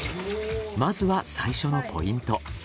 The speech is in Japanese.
まずは最初のポイント。